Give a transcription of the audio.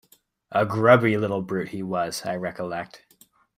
A grubby little brute he was, I recollect.